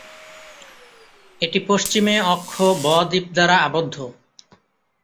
এটি পশ্চিমে অক্ষ ব-দ্বীপ দ্বারা আবদ্ধ।